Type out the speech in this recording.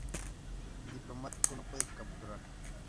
El diplomático no puede capturar.